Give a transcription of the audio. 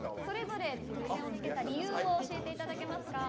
得点をつけた理由を教えていただけますか。